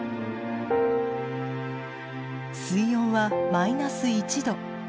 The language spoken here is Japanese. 水温はマイナス１度。